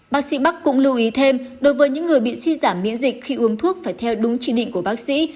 bác sĩ bắc cũng lưu ý thêm đối với những người bị suy giảm miễn dịch khi uống thuốc phải theo đúng chỉ định của bác sĩ